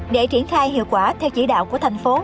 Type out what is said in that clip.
để triển khai hiệu quả theo chỉ đạo của thành phố